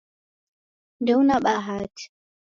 Ndeuna bahati